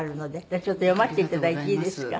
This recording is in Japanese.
じゃあちょっと読ませていただいていいですか？